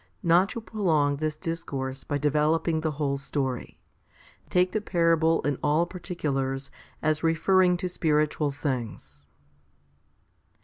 Not to prolong this dis course by developing the whole story, take the parable in all particulars as referring to spiritual things.